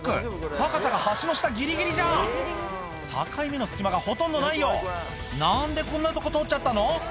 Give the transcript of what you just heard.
高さが橋の下ギリギリじゃん境目の隙間がほとんどないよ何でこんなとこ通っちゃったの？